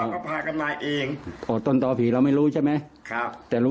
มาจากไหนฉันไม่รู้